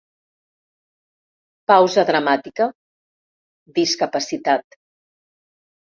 Pausa dramàtica—; discapacitat.